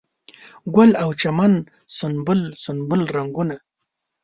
ګل او چمن سنبل، سنبل رنګونه